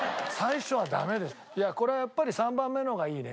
いやこれはやっぱり３番目の方がいいね。